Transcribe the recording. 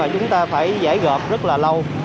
chúng ta phải giải gợp rất là lâu